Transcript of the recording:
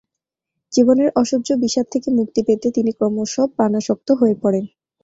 জীবনের অসহ্য বিষাদ থেকে মুক্তি পেতে তিনি ক্রমশ পানাসক্ত হয়ে পড়েন।